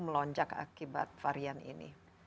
melonjak akibat varian ini